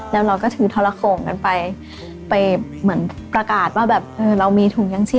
แล้วเราก็ถือทาระโคมกันไปมึงไปเป็นอกภิกาแผ่งต่อ